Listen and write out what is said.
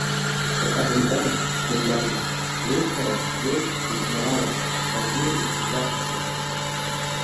Иҟабымҵан, Светлана, уи сара сзын игәнаалам, баргьы исызбаҭәашьом.